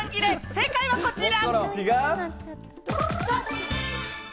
正解はこちら！